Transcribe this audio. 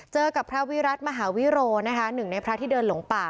เจอกับพระวิรัติมหาวิโรนะคะหนึ่งในพระที่เดินหลงป่า